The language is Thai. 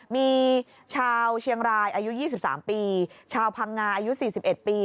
มีชาวเชียงรายอายุ๒๓ปีชาวพังงาอายุ๔๑ปี